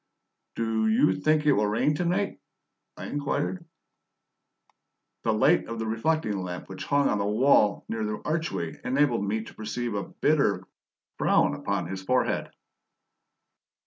"DO you think it will rain to night?" I inquired. The light of a reflecting lamp which hung on the wall near the archway enabled me to perceive a bitter frown upon his forehead.